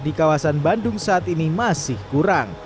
di kawasan bandung saat ini masih kurang